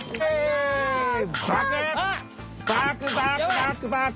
バクバクバクバク。